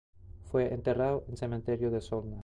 Fue enterrado en el Cementerio de Solna.